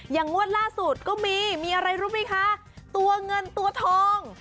งวดล่าสุดก็มีมีอะไรรู้ไหมคะตัวเงินตัวทอง